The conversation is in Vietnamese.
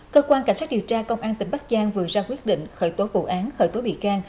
cơ quan cảnh sát điều tra công an tỉnh bắc giang vừa ra quyết định khởi tố vụ án khởi tố bị can